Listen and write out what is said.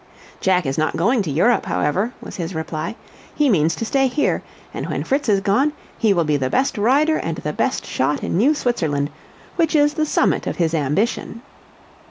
"Jack is not going to Europe, however," was his reply. "He means to stay here, and when Fritz is gone he will be the best rider and the best shot in New Switzerland, which is the summit of his ambition.